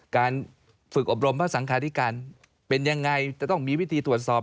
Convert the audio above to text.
การฝึกอบรมพระสังคาธิการเป็นยังไงจะต้องมีวิธีตรวจสอบ